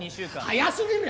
早すぎる！